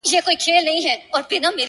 په سپورږمۍ كي زمــــــــــا زړه دى~